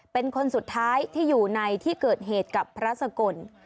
เป็นคนสุดท้ายที่อยู่ในที่เกิดเหตุกับพระสกล